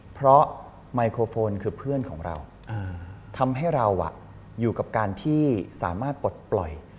เพราะไมโครโฟนคือเพื่อนของเราทำให้เราอยู่กับการที่สามารถปลดปล่อย